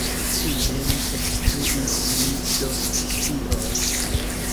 Fine, li ekkriis, mi do scios.